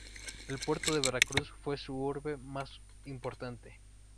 El puerto de Veracruz fue su urbe más importante.